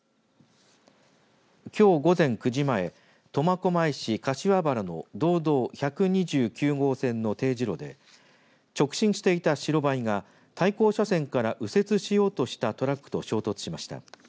きょう午前９時前苫小牧市柏原の道道１２９号線のＴ字路で直進していた白バイが対向車線から右折しようとしたトラックと衝突しました。